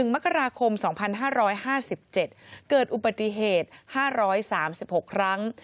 ๑มกราคม๒๕๕๗เกิดอุบัติเหตุ๕๓๖ครั้ง